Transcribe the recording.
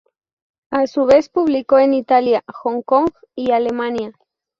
A su vez publicó en Italia, Hong-Kong y Alemania.